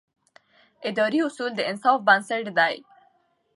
اداري اصول د انصاف بنسټ دی.